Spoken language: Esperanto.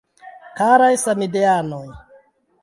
Karaj Samideanoj!